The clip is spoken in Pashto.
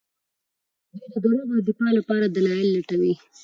دوی د دروغو د دفاع لپاره دلايل لټوي.